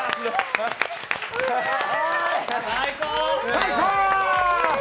最高！